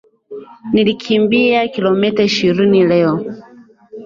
Nilikimbia kilomita ishirini leo.